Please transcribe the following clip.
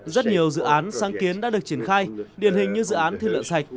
rất nhiều dự án sáng kiến đã được triển khai điển hình như dự án thiên lượng sạch